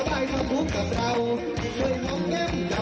สบายต้องพูดกับเราช่วยห่วงแก้มกับเรา